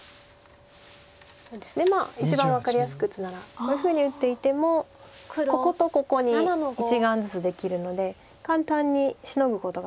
まあ一番分かりやすく打つならこういうふうに打っていてもこことここに１眼ずつできるので簡単にシノぐことができるんですよね。